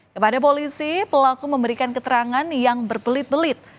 kepada polisi pelaku memberikan keterangan yang berbelit belit